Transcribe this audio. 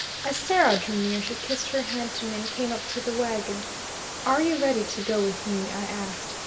As Sarah drew near she kissed her hand to me and came up to the wagon. "Are you ready to go with me?" I asked.